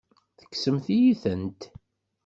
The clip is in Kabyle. Tekksemt-iyi-tent.